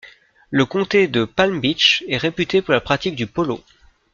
Le comté de Palm Beach est réputé pour la pratique du polo.